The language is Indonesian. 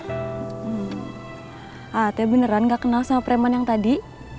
hati beneran gak kenal sama preman yang tadi